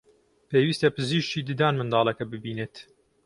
پێویستە پزیشکی ددان منداڵەکە ببینێت